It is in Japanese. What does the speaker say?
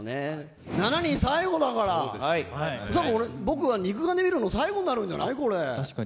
７人最後だから僕は肉眼で見るの、最後になるんじゃない？